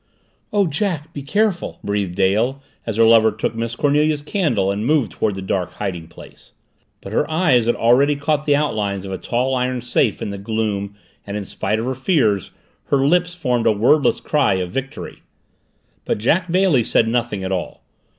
"Oh, Jack, be careful!" breathed Dale as her lover took Miss Cornelia's candle and moved toward the dark hiding place. But her eyes had already caught the outlines of a tall iron safe in the gloom and in spite of her fears, her lips formed a wordless cry of victory. But Jack Bailey said nothing at all.